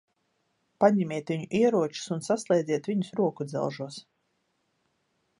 Paņemiet viņu ieročus un saslēdziet viņus rokudzelžos.